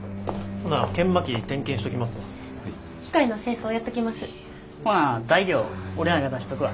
ほな材料俺らが出しとくわ。